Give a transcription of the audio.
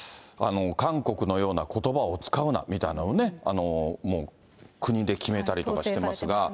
韓国のようなことばを使うなみたいなね、もう国で決めたりとかしてますが。